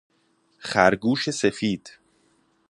خر گوش سفید